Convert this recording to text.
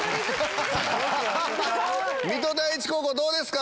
・水戸第一高校どうですか？